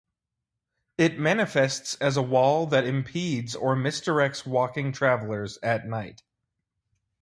It manifests as a wall that impedes or misdirects walking travelers at night.